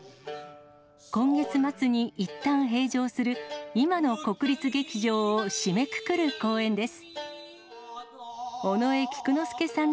今月末にいったん閉場する今の国立劇場を締めくくる公演です。